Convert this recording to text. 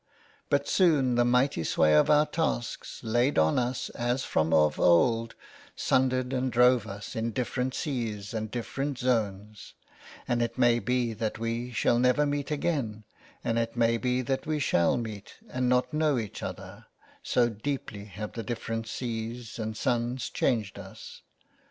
But soon the mighty sway of our tasks laid on us as from of old sundered " and drove us into different seas and different zones ;" and it may be that we shall never meet again and it " may be that we shall meet and not know each ''other, so deeply have the different seas and suns *' changed us.